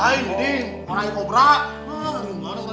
orang yang berburu